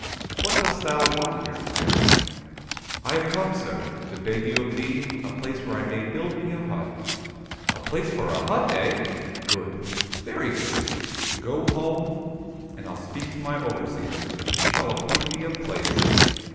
" What dost thou want here, Ivan ?"—" I have come, sir, to beg of thee a place where I may build me a hut." —" A place for a hut, eh ? Good, very good. Go home, and I'll speak to my overseer, and he shall appoint thee a place."